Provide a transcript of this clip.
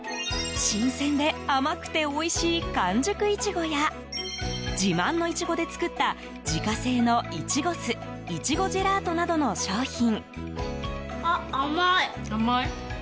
新鮮で甘くておいしい完熟イチゴや自慢のイチゴで作った自家製のいちご酢いちごジェラートなどの商品。